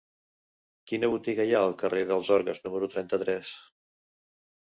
Quina botiga hi ha al carrer dels Orgues número trenta-tres?